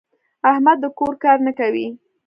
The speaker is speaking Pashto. احمد د کور کار نه کوي.